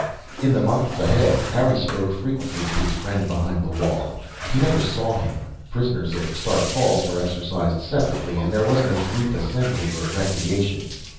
In the months ahead, Harry spoke frequently with his friend behind the wall. He never saw him prisoners at Stark Falls were exercised separately, and there was no group assembly or recreation.